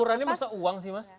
ukurannya masa uang sih mas